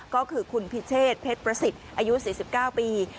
ก็คือคุณพิเชษเพชรประสิทธิ์อายุ๔๙ปี